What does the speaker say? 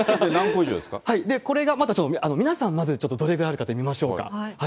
これがまたちょっと、皆さん、まず、どれぐらいあるか見ましょうか。